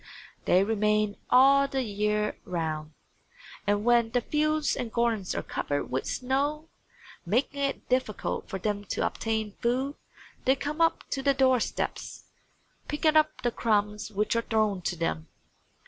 They remain all the year round, and when the fields and gardens are covered with snow, making it difficult for them to obtain food they come up to the door steps, picking up the crumbs which are thrown to them.